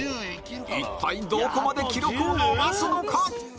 一体どこまで記録を伸ばすのか